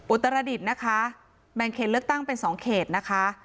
อุตรดิษฐ์นะคะแบ่งเขตเลือกตั้งเป็น๒เขตนะคะ